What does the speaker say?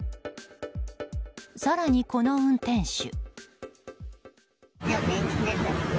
更に、この運転手。